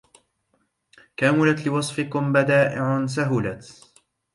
كملت لوصفكم بدائع سهلت